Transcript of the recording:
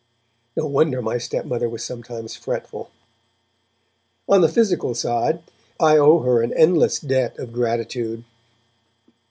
No wonder my stepmother was sometimes fretful. On the physical side, I owe her an endless debt of gratitude.